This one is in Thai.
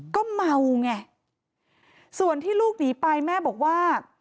ก็เมาไงส่วนที่ลูกหนีไปแม่บอกว่า